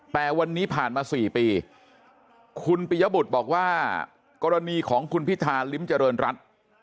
แต่วันนี้ผ่านมา๔ปีคุณปิยบุตรบอกว่ากรณีของคุณพิธาลิ้มเจริญรัฐ